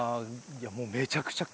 もう。